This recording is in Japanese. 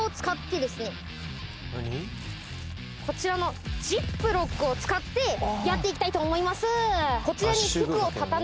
こちらのジップロックを使ってやっていきたいと思います